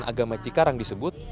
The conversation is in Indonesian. pengadilan agama cikarang disebut